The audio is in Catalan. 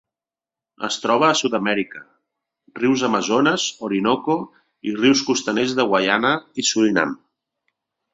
Es troba a Sud-amèrica: rius Amazones, Orinoco, i rius costaners de Guaiana i Surinam.